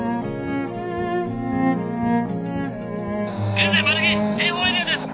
現在マルヒＡ４エリアです。